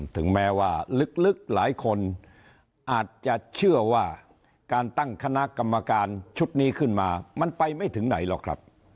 ถึงแม้ว่าลึกหลายคนอาจจะเชื่อว่าการตั้งคณะกรรมการชุดนี้ขึ้นมามันไปไม่ถึงไหนหรอกครับ